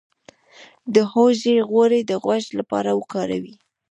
د هوږې غوړي د غوږ لپاره وکاروئ